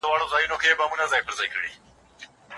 خاوند به ټولو ميرمنو ته په يوه سترګه ګوري.